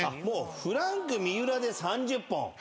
フランク三浦で３０本。